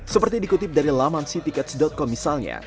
seperti dikutip dari lamansitickets com misalnya